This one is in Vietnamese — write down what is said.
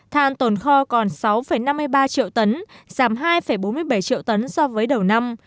than tồn kho còn sáu năm mươi ba triệu tấn giảm hai bốn mươi bảy triệu tấn so với đầu năm